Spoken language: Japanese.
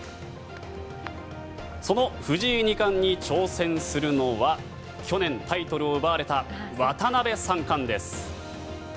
その藤井二冠に挑戦するのは去年タイトルを奪われた渡辺三冠です。